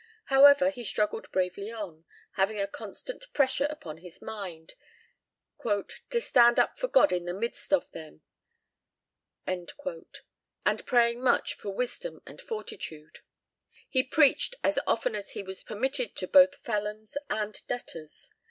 However, he struggled bravely on, having a constant pressure upon his mind "to stand up for God in the midst of them," and praying much "for wisdom and fortitude." He preached as often as he was permitted to both felons and debtors.